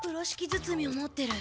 づつみを持ってる。